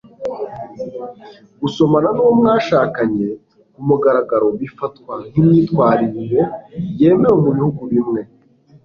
gusomana nuwo mwashakanye kumugaragaro bifatwa nkimyitwarire yemewe mubihugu bimwe